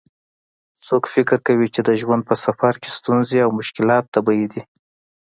څوک فکر کوي چې د ژوند په سفر کې ستونزې او مشکلات طبیعي دي